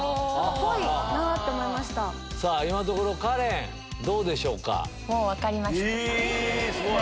今のところカレンどうでしょうか？